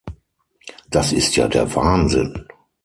Das ist ja der Wahnsinn.